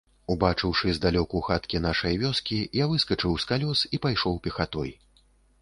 Убачыўшы здалёку хаткі нашай вёскі, я выскачыў з калёс і пайшоў пехатой.